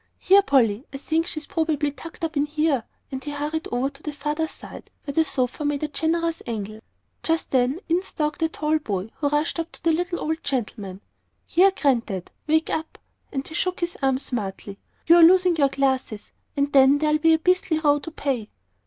Here, Polly, I think she's probably tucked up in here." And he hurried over to the farther side, where the sofa made a generous angle. Just then in stalked a tall boy, who rushed up to the little old gentleman. "Here, Granddad, wake up." And he shook his arm smartly. "You're losing your glasses, and then there'll be a beastly row to pay."